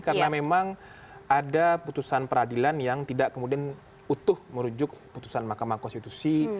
karena memang ada putusan peradilan yang tidak kemudian utuh merujuk putusan mahkamah konstitusi